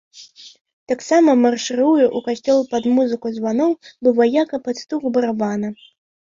Таксама маршыруе ў касцёл пад музыку званоў, бы ваяка пад стук барабана.